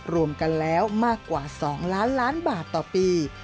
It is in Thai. รวมกันแล้วมากกว่า๒ล้านล้านบาทต่อปี